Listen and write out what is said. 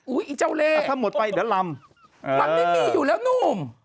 ไอ้เจ้าเล่ถ้าหมดไปเดี๋ยวลำมันไม่มีอยู่แล้วหนุ่ม